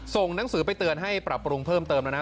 ส่งหนังสือไปเตือนให้ปรับปรุงเพิ่มเติมแล้วนะ